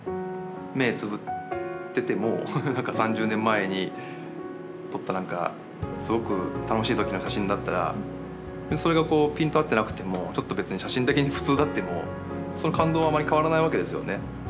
目つぶってても何か３０年前に撮った何かすごく楽しい時の写真だったらそれがピント合ってなくてもちょっと別に写真的に普通であってもその感動はあまり変わらないわけですよね。